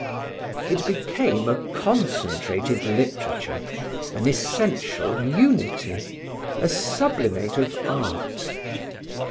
It became a concentrated literature, an essential unity, a sublimate of art.